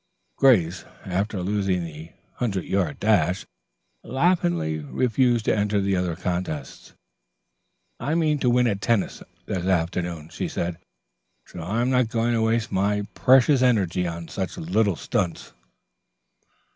Grace, after losing the hundred yard dash, laughingly refused to enter the other contests. "I mean to win at tennis this afternoon," she said, "so I'm not going to waste my precious energy on such little stunts."